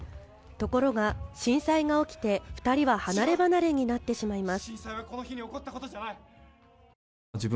ところが震災が起きて２人は離れ離れになってしまいます。